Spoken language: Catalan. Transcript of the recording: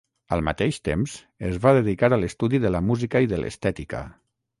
Al mateix temps es va dedicar a l'estudi de la música i de l'estètica.